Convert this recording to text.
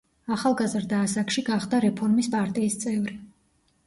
ახალგაზრდა ასაკში გახდა რეფორმის პარტიის წევრი.